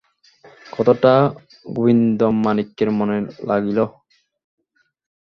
কথাটা গোবিন্দমাণিক্যের মনে লাগিল।